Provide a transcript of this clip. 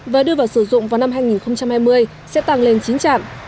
và đưa vào sử dụng vào năm hai nghìn hai mươi sẽ tăng lên chín trạm